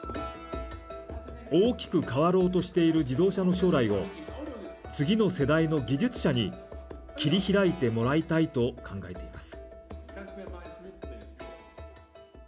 大きく変わろうとしている自動車の将来を次の世代の技術者に切り開いてもらいたいと考えています。